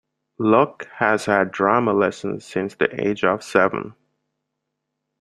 Luck has had drama lessons since the age of seven.